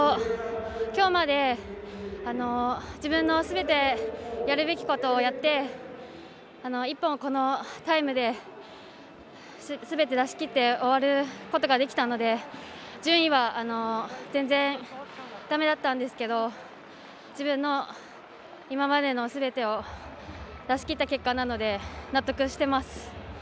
きょうまで自分のすべてやるべきことをやってこの１本を、このタイムですべて出しきって終わることができたので順位は全然だめだったんですが自分の今までのすべてを出しきった結果なので納得してます。